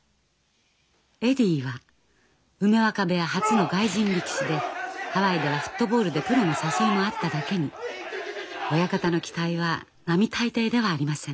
エディは梅若部屋初の外人力士でハワイではフットボールでプロの誘いもあっただけに親方の期待は並大抵ではありません。